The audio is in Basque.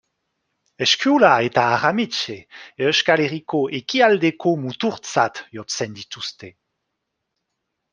Eskiula eta Aramitse, Euskal Herriko ekialdeko muturtzat jotzen dituzte.